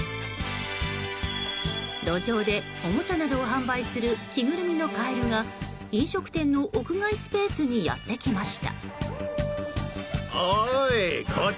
路上でおもちゃなどを販売する着ぐるみのカエルが飲食店の屋外スペースにやってきました。